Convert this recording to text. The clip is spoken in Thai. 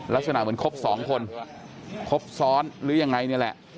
ลักษณะเหมือนครบสองคนครบซ้อนหรือยังไงนี่แหละ